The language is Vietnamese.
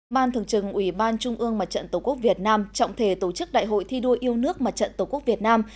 ban thường trực ủy ban trung ương mặt trận tổ quốc việt nam trọng thể tổ chức đại hội thi đua yêu nước mặt trận tổ quốc việt nam